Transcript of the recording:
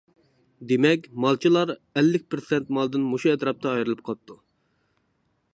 دېمەك، مالچىلار ئەللىك پىرسەنت مالدىن مۇشۇ ئەتراپتا ئايرىلىپ قاپتۇ.